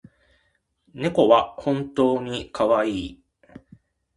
猫は本当にかわいい